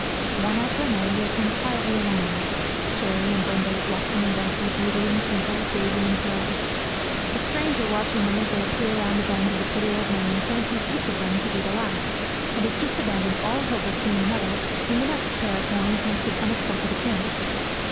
One after another they come quietly along Cherry and Brindle, Blossom and Darkie, Beauty and Crinkle, Daisy and Pearl. A stranger watching them as they appear round the bend of the pretty old lane fancies each of them to be the last, and has just abandoned all hope of seeing another, when the next pair of horns makes its unexpected appearance.